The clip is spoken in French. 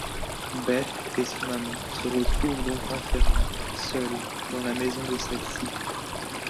Beth et son amant se retrouvent donc enfermés, seuls, dans la maison de celle-ci.